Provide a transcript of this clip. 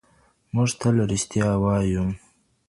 موږ تل ریښتیا وایو